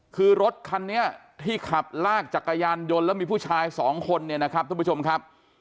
คือรถคันนี้ที่ขับลากจักรยานยนต์แล้วมีผู้ชายสองคนเนี่ยนะครับทุกผู้ชมครับ